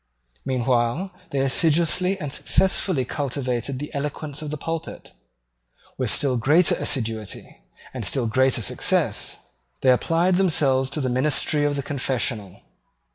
Meanwhile they assiduously and successfully cultivated the eloquence of the pulpit. With still greater assiduity and still greater success they applied themselves to the ministry of the confessional.